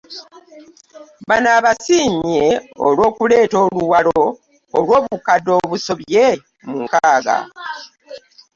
Bano abasiimye olw'okuleeta oluwalo olw'obukadde obusobye mu nkaaga